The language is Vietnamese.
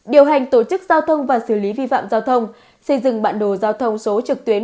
điều hành tổ chức giao thông và xử lý vi phạm giao thông xây dựng bản đồ giao thông số trực tuyến